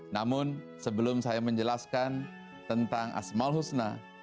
namun sebelum saya menjelaskan tentang asma'ul husna